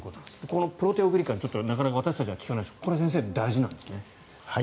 このプロテオグリカンなかなか私たちは聞きませんがこれ、先生大事なんですね。